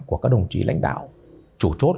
của các đồng chí lãnh đạo chủ chốt